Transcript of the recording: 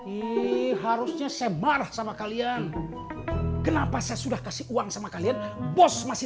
ini harusnya sebar sama kalian kenapa saya sudah kasih uang sama kalian bos masih